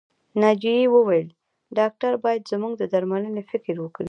ناجيې وويل چې ډاکټر بايد زموږ د درملنې فکر وکړي